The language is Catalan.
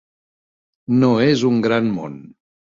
No és un gran món.